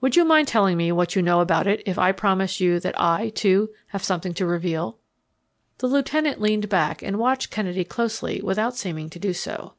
Would you mind telling me what you know about it if I promise you that I, too, have something to reveal?" The lieutenant leaned back and watched Kennedy closely without seeming to do so.